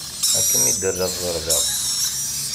Ad kem-id-rreɣ ɣer da.